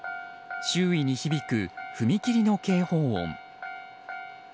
周囲に響く、踏切の警報音。